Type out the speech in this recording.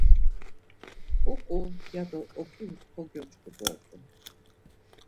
Ǩuǩǩu! ya do oǩirus kogyoç̌ǩu dort̆un.